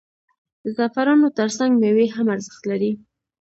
د زعفرانو ترڅنګ میوې هم ارزښت لري.